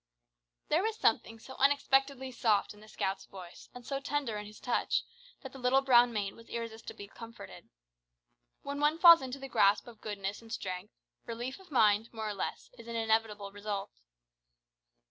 There was something so unexpectedly soft in the scout's voice, and so tender in his touch, that the little brown maid was irresistibly comforted. When one falls into the grasp of Goodness and Strength, relief of mind, more or less, is an inevitable result.